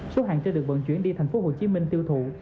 số hàng chơi được vận chuyển đi thành phố hồ chí minh tiêu thụ